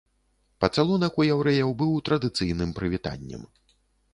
Пацалунак у яўрэяў быў традыцыйным прывітаннем.